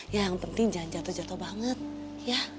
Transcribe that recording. yang penting jangan jatuh jatuh banget ya